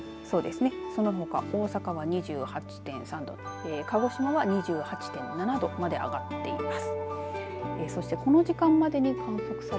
そのほか大阪は２８．３度鹿児島は２８．７度まで上がっています。